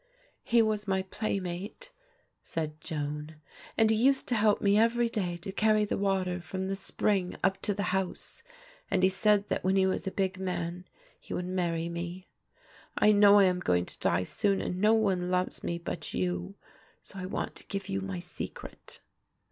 "He was my playmate," said Joan, "and he used to help me every day to carry the water from the spring up to the house, and he said that when he was a big man he would marry me. I know I am going to die soon and no one loves me but you, so I want to give you my secret."